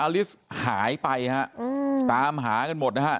ลิสหายไปฮะตามหากันหมดนะฮะ